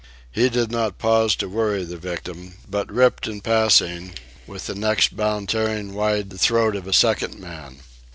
He did not pause to worry the victim, but ripped in passing, with the next bound tearing wide the throat of a second man.